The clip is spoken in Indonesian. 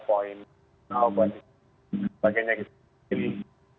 poin apa bagainya gitu